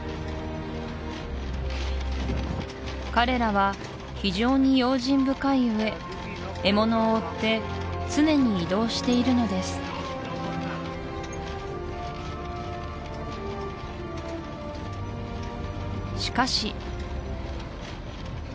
彼らは非常に用心深いうえ獲物を追って常に移動しているのですしかし